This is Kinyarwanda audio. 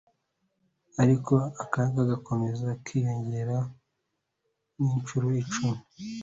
ariko akaga kagakomeza kwiyongera nkinshuro cumi